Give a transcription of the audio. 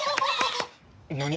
何？